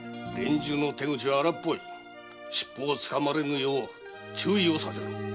尻尾を掴まれぬよう注意をさせろ。